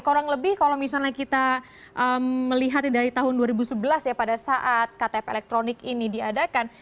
kurang lebih kalau misalnya kita melihat dari tahun dua ribu sebelas ya pada saat ktp elektronik ini diadakan